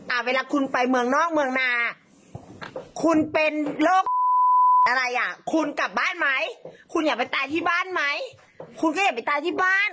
เวลาคุณไปเมืองนอกเมืองนาคุณเป็นโรคอะไรอ่ะคุณกลับบ้านไหมคุณอยากไปตายที่บ้านไหมคุณก็อย่าไปตายที่บ้าน